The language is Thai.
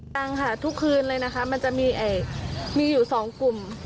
ยังค่ะทุกคืนเลยนะคะมันจะมีอยู่๒กลุ่ม